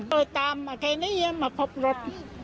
ต้องตามแค่นี้มาพบรถ